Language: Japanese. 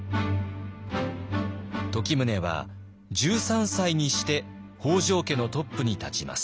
時宗は１３歳にして北条家のトップに立ちます。